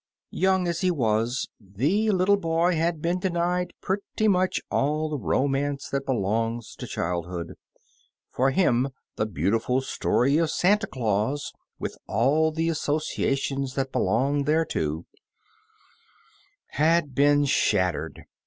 Young as he was, the little boy had been denied pretty much all the romance that belongs to childhood; for him the beautiful story of Santa Claus, with all the associa Uncle Remus Returns tions that belong thereto, had been shat tered.